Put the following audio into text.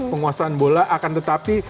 penguasaan bola akan tetap